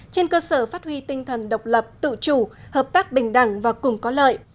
trên cơ sở phát huy tinh thần độc lập tự chủ hợp tác bình đẳng và cùng có lợi